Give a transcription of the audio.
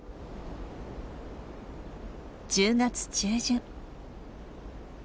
１０月中旬。